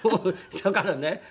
だからね